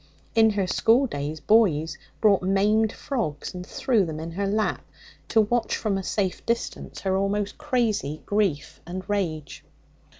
In her schooldays boys brought maimed frogs and threw them in her lap, to watch, from a safe distance, her almost crazy grief and rage.